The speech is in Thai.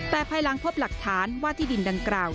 แต่ภายหลังพบหลักฐานว่าที่ดินดังกล่าว